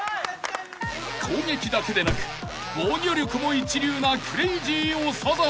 ［攻撃だけでなく防御力も一流なクレイジー長田］